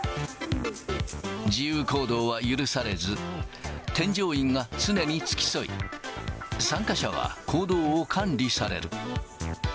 自由行動は許されず、添乗員が常に付き添い、参加者は行動を管理される。